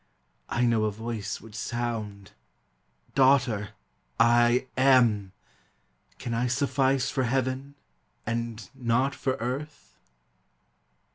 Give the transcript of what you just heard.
I know a Voice would sound, " Daughter, I AM. Can I suffice for Heaven, and not for earth